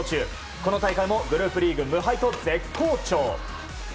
この大会もグループリーグ無敗と絶好調。